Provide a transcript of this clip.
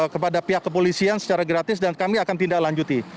kepada pihak kepolisian secara gratis dan kami akan tindak lanjuti